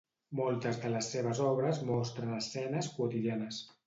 Moltes de les seves obres mostren escenes quotidianes.